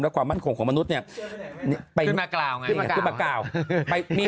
ความมั่นคงของมนุษย์เนี่ยไปมากล่าวไงขึ้นมากล่าวไปมี